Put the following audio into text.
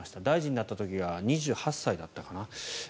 大臣になった時は２８歳だったかな。